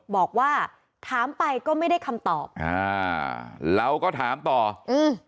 บอกว่าถามไปก็ไม่ได้คำตอบอ่าเราก็ถามต่ออืม